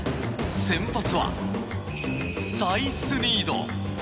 先発はサイスニード。